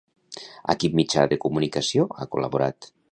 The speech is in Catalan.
A quin mitjà de comunicació ha col·laborat?